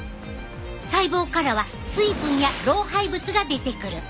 細胞からは水分や老廃物が出てくる。